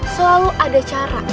selalu ada cara